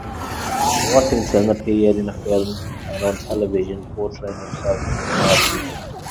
Worthington appeared in film and on television portraying himself as a car dealer.